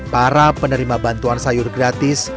para penerima bantuan sayur gratis